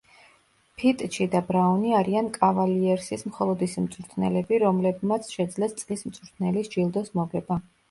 ფიტჩი და ბრაუნი არიან კავალიერსის მხოლოდ ის მწვრთნელები, რომლებმაც შეძლეს წლის მწვრთნელის ჯილდოს მოგება.